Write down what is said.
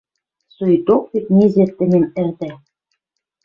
Соикток вет незер тӹньӹм ӹрдӓ